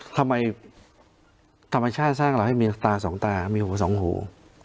ธรรมชาติสร้างเราให้มีตาสองตามีหูสองหู